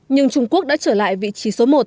nhưng trung quốc đã trở lại vị trí số một